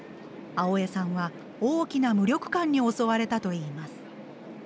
青江さんは大きな無力感に襲われたといいます。